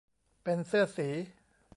เป็นเสื้อสี